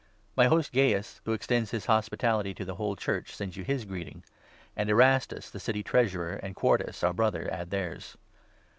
My host Gaius, who extends his hospitality to the 23 whole Church, sends you his greeting ; and Erastus, the City Treasurer, and Quartus, our Brother, add theirs.